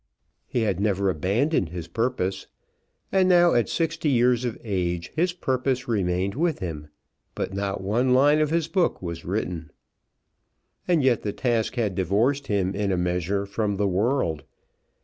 He had never abandoned his purpose; and now at sixty years of age, his purpose remained with him, but not one line of his book was written. And yet the task had divorced him in a measure from the world.